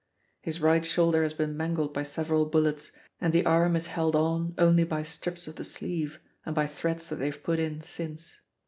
His right shoulder has been mangled by several bullets, and the arm is held on only by strips of the sleeve and by threads that they have put in since.